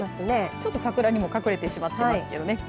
ちょっと桜にも隠れてしまっていますけどね。